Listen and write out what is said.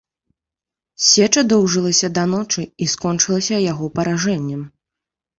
Сеча доўжылася да ночы і скончылася яго паражэннем.